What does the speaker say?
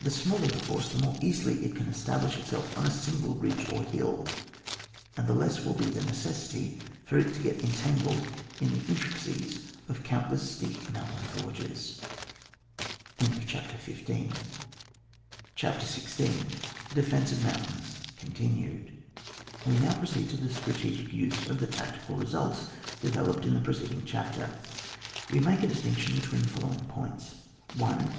The smaller the force, the more easily it can establish itself on a single ridge or hiU, and the less will be the necessity for it to get entangled in the intricacies of countless steep mountain gorges. CHAPTER XVI. DEFENCE OF MOUNTAINS— (ooNTunnsD). We now proceed to the strategic use of the tacticed results developed in the pre ceding chapter. We make a distinction between the following points :— 1.